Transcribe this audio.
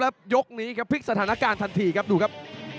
และยุคนี้พลิกสถานการณ์ทันทีครับดูครับ